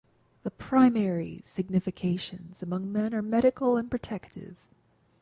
The primary significations among men are medicinal and protective.